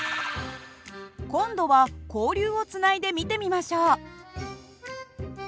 今度は交流をつないで見てみましょう。